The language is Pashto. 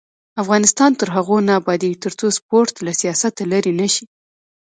افغانستان تر هغو نه ابادیږي، ترڅو سپورټ له سیاسته لرې نشي.